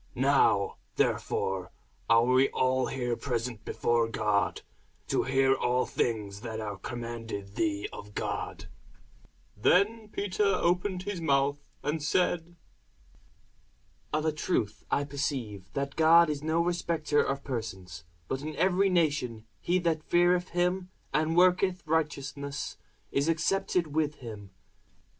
Now therefore are we all here present before God, to hear all things that are commanded thee of God. [Sidenote: The Acts 10] Then Peter opened his mouth, and said, Of a truth I perceive that God is no respecter of persons: but in every nation he that feareth him, and worketh righteousness, is accepted with him.